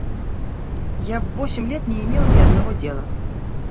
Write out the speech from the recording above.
Я в восемь лет не имел ни одного дела.